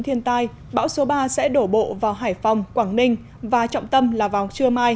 thiên tai bão số ba sẽ đổ bộ vào hải phòng quảng ninh và trọng tâm là vào trưa mai